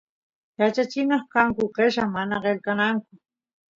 yachachina kanku qella mana qelqananku